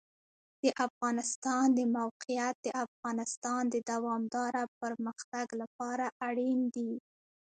د افغانستان د موقعیت د افغانستان د دوامداره پرمختګ لپاره اړین دي.